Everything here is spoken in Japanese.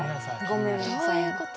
どういうこと？